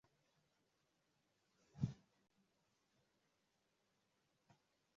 Alianika nguo zake nje zikabebwa na upepo